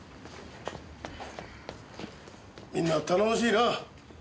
みんな頼もしいな！